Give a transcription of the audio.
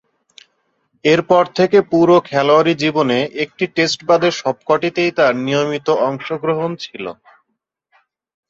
এরপর থেকে পুরো খেলোয়াড়ী জীবনে একটি টেস্ট বাদে সবকটিতেই তার নিয়মিত অংশগ্রহণ ছিল।